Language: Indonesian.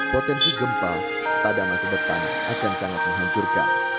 potensi gempa pada masa depan akan sangat menghancurkan